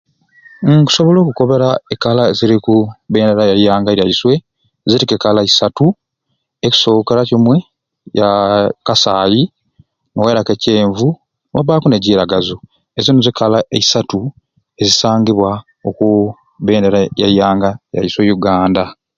Uum nkusobola okukobera e kala eziriku oku bendera yaiswe, ziriku e kala isatu, ekusookera kimwe yaa kasaayi niwairaku okyenvu niwabaaku ne giiragazu ezo nizo e kala eisatu ezisangibwa oku bendera ya ianga yaiswe Yuganda .